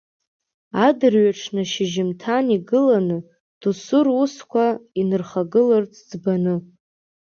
Адырҩаҽны шьыжьымҭан игыланы, доусы русқәа инырхагыларц ӡбаны.